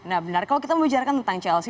nah benar kalau kita membicarakan tentang chelsea